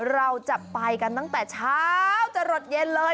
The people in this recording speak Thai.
เราจะไปกันตั้งแต่เช้าจะหลดเย็นเลย